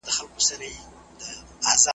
پوه انسان ښه پرېکړې کوي.